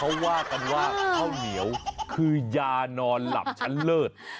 เขาว่ากันว่าข้าวเหนียวคือยานอนหลับชั้นเลิศ